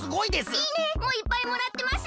「いいね」もいっぱいもらってます。